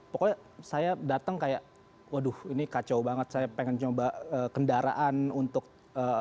pokoknya saya datang kayak waduh ini kacau banget saya pengen coba kendaraan untuk